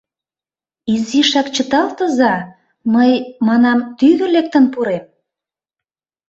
Изишак чыталтыза, мый, манам, тӱгӧ лектын пурем.